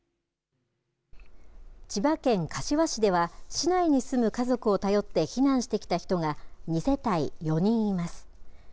千葉県柏市では、市内に住む家族を頼って避難してきた人が２世帯４人います。